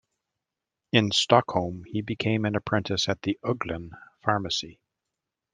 In Stockholm, he became an apprentice at the "Ugglan" pharmacy.